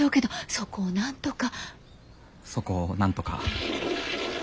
そこをなんとか。